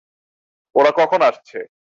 ওরা কখন আসছে?